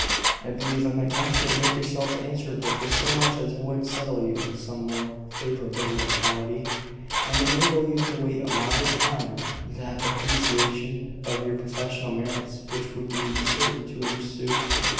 I believe I might venture to make myself answerable for so much as would settle you in some more favourable locality, and enable you to wait a moderate time for that appreciation of your professional merits which would be certain to ensue.